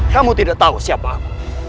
kamu tidak tahu siapa aku